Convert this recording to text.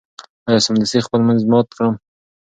انا سمدستي خپل لمونځ مات کړ.